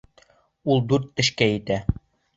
Ул дүрт тешкә етә.